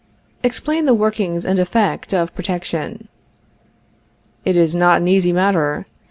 Explain the workings and effect of protection. It is not an easy matter.